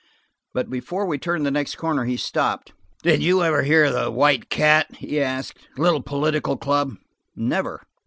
But before we turned the next corner he stopped. "Did you ever hear of the White Cat?" he asked. "Little political club?" "Never."